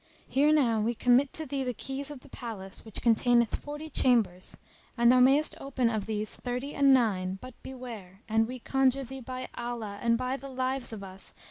Here now we commit to thee the keys of the palace which containeth forty chambers and thou mayest open of these thirty and nine, but beware (and we conjure thee by Allah and by the lives of us!)